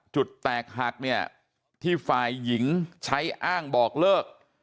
จุดแตกหักเนี่ยที่ฝ่ายหญิงใช้อ้างบอกเลิก